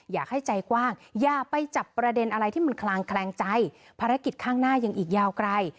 อยากให้ใจกว้างอย่าไปจับประเด็นอะไรที่มันคลางแคลงใจภารกิจข้างหน้ายังอีกยาวไกล